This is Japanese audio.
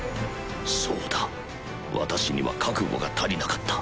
そうだ私には覚悟が足りなかった